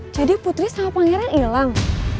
jadi putri sama pangeran ilang